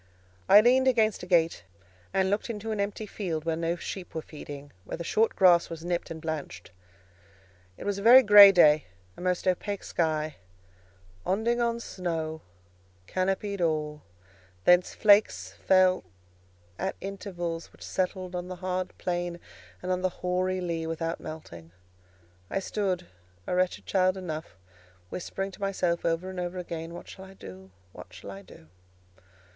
I leaned against a gate, and looked into an empty field where no sheep were feeding, where the short grass was nipped and blanched. It was a very grey day; a most opaque sky, "onding on snaw," canopied all; thence flakes fell at intervals, which settled on the hard path and on the hoary lea without melting. I stood, a wretched child enough, whispering to myself over and over again, "What shall I do?—what shall I do?"